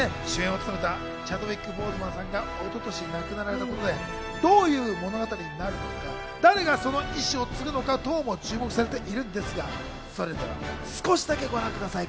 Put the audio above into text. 前作で主演を務めたチャドウィック・ボーズマンさんが一昨年、亡くなられたことで、どういう物語になるのか、誰がその遺志を継ぐのかなどにも注目されてるんですが、それでは少しだけご覧ください。